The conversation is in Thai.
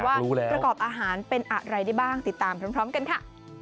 ประกอบอาหารเป็นอะไรได้บ้างติดตามพร้อมกันค่ะ